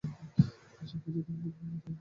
সবকিছু তোমার কল্পনা, আবার বাইরে চেক করো।